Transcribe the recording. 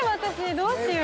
どうしよう。